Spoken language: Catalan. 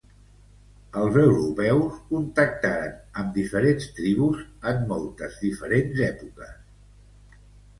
Els europeus contactaren amb diferents tribus en molt diferents èpoques.